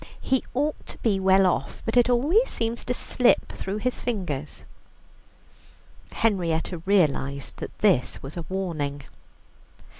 He ought to be well off, but it always seems to slip through his fingers." Henrietta realized that this was a warning.